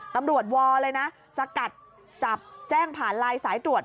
วอลเลยนะสกัดจับแจ้งผ่านไลน์สายตรวจ